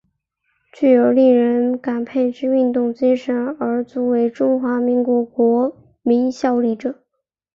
具有令人感佩之运动精神而足为中华民国国民效法者。